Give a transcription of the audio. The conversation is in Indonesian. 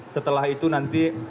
setelah itu nanti